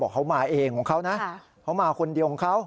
เขามาเองของเขานะเขามาคนเดียวของเขา